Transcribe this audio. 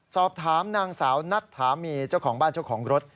สอบถามนางสาวนัทธามีเจ้าของบ้านเจ้าของรถ